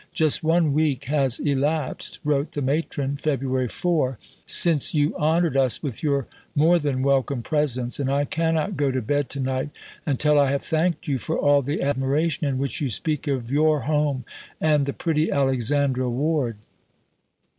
"Just one week has elapsed," wrote the Matron (Feb. 4), "since you honoured us with your more than welcome presence, and I cannot go to bed to night until I have thanked you for all the admiration in which you speak of your Home and the pretty Alexandra Ward.